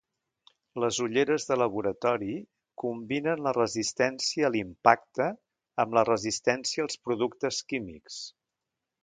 Les ulleres de laboratori combinen la resistència a l'impacte amb la resistència als productes químics.